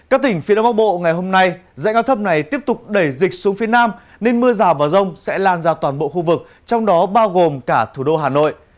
các tỉnh phía đông bắc bộ ngày hôm nay dãy cao thấp này tiếp tục đẩy dịch xuống phía nam nên mưa rào và rông sẽ lan ra toàn bộ khu vực trong đó bao gồm cả thủ đô hà nội